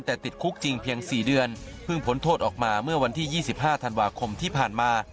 แต่ติดคุกจริงเพียง๔เดือนเพิ่งพ้นโทษออกมาเมื่อวันที่๒๕ธันวาคมที่ผ่านมา